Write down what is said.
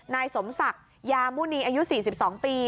นายสมศักดิ์ยามุณีอายุ๔๒ปี